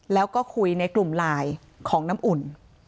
แล้วก็คุยในกลุ่มไลน์ของน้ำอุ่น